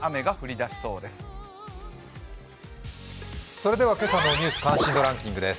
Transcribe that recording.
それでは今朝の「ニュース関心度ランキング」です。